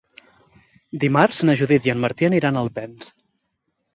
Dimarts na Judit i en Martí aniran a Alpens.